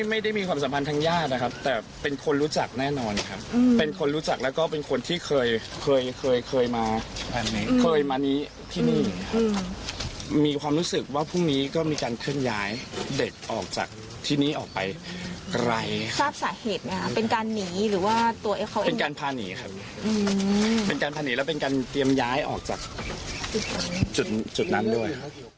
ไม่ได้มีความสัมพันธ์ทางญาตินะครับแต่เป็นคนรู้จักแน่นอนครับเป็นคนรู้จักแล้วก็เป็นคนที่เคยเคยเคยมาเคยมานี้ที่นี่มีความรู้สึกว่าพรุ่งนี้ก็มีการเคลื่อนย้ายเด็กออกจากที่นี้ออกไปไกลทราบสาเหตุไหมคะเป็นการหนีหรือว่าตัวเขาเองเป็นการพาหนีครับเป็นการพาหนีแล้วเป็นการเตรียมย้ายออกจากจุดจุดนั้นด้วย